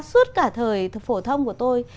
suốt cả thời phổ thông của tôi